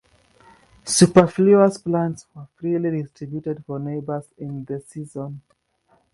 Superfluous plants were freely distributed for neighbours in the season.